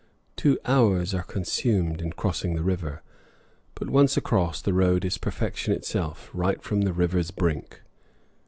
Two hours are consumed in crossing the river, but once across the road is perfection itself, right from the river's brink.